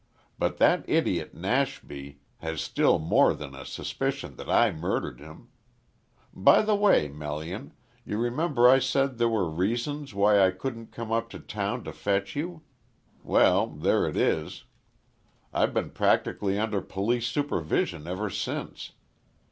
But that idiot, Nashby, has still more than a suspicion that I murdered him. By the way, Melian, you remember I said there were reasons why I couldn't come up to Town to fetch you; well, there it is. I've been practically under police supervision ever since.